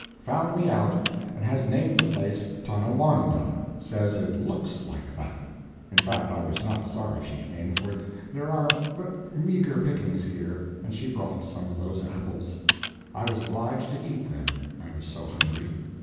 Found me out, and has named the place Tonawanda says it _looks _like that. In fact I was not sorry she came, for there are but meager pickings here, and she brought some of those apples. I was obliged to eat them, I was so hungry.